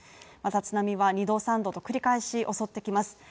また津波は２度３度と繰り返し襲ってきます。